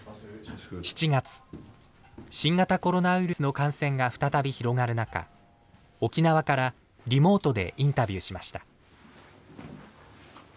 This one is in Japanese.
７月新型コロナウイルスの感染が再び広がる中沖縄からリモートでインタビューしました。